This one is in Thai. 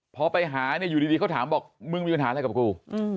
พอไปหาเนี่ยอยู่ดีเขาถามบอกมึงมีปัญหาอะไรกับกู